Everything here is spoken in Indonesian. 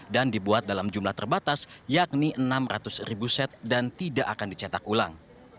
dan dibuat dalam jumlah terbatas yakni enam ratus ribu set dan tidak akan dicetak ulang